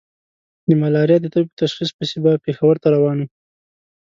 د ملاريا د تبې په تشخيص پسې به پېښور ته روان وو.